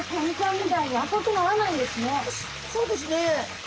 そうですね。